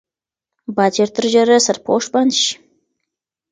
باید ژر تر ژره سرپوش بند شي.